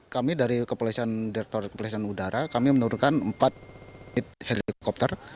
kami dari kepolisian direktur kepolisian udara kami menurunkan empat unit helikopter